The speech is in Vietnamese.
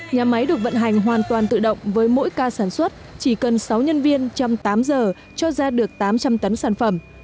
nhà máy được vận hành hoàn toàn tự động với mỗi ca sản xuất chỉ cần sáu nhân viên trong tám giờ cho ra được tám trăm linh tấn sản phẩm